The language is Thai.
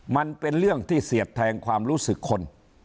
มันเป็นเรื่องที่เสียบแทงความรู้สึกคน